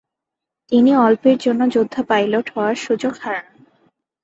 তিনি অল্পের জন্য যোদ্ধা পাইলট হওয়ার সুযোগ হারান।